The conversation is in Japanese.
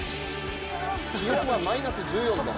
気温はマイナス１４度。